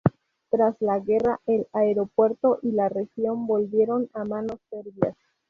Tras la guerra, el aeropuerto y la región volvieron a manos serbias.